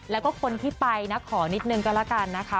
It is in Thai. แล้วก็คนที่ไปนะขอนิดนึงก็แล้วกันนะคะ